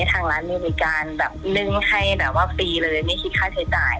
ทางร้านมีการแบบนึ่งให้แบบว่าฟรีเลยไม่คิดค่าใช้จ่าย